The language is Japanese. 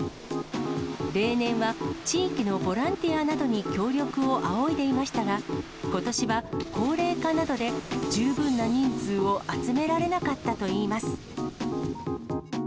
例年は地域のボランティアなどに協力を仰いでいましたが、ことしは高齢化などで十分な人数を集められなかったといいます。